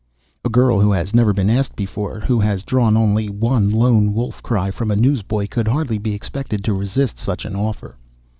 A girl who has never been asked before, who has drawn only one lone wolf cry from a newsboy could hardly be expected to resist such an offer.